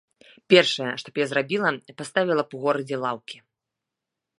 Першае, што б я зрабіла, паставіла б у горадзе лаўкі!